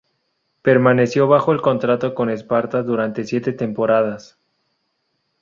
Permaneció bajo contrato con Sparta durante siete temporadas.